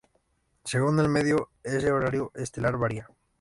Según el medio, ese horario estelar varía.